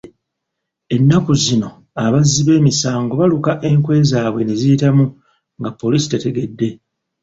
Ennaku zino abazzi b'emisango baluka enkwe zaabwe ne ziyitamu nga Poliisi tetegedde.